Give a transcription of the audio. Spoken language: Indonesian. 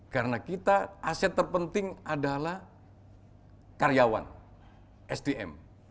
karena kita aset terpenting adalah karyawan sdm